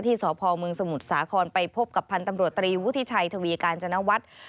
สพเมืองสมุทรสาครไปพบกับพันธ์ตำรวจตรีวุฒิชัยทวีการจนวัฒน์